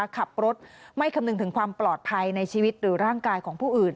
ขับรถไม่คำนึงถึงความปลอดภัยในชีวิตหรือร่างกายของผู้อื่น